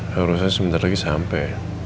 harusnya sebentar lagi sampe